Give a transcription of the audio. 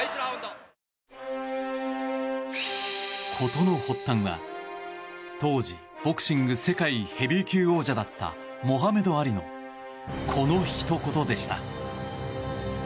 事の発端は当時、ボクシング世界ヘビー級王者だったモハメド・アリのこのひと言でした。